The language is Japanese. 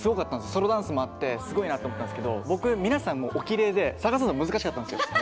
ソロダンスもあってすごいなと思ったんですけど皆さん、おきれいで探すの難しかったんですよ。